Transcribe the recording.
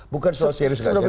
bukan soal serius serius